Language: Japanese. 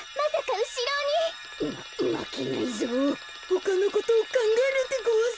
こころのこえほかのことをかんがえるでごわす。